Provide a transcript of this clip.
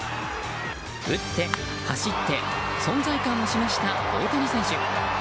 打って、走って存在感を示した大谷選手。